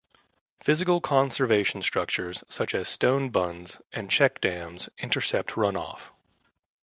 Physical conservation structures such as stone bunds and check dams intercept runoff.